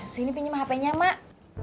sini pinjem hapenya mak